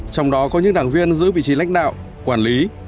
trong đó có những đảng viên giữ vị trí lãnh đạo quản lý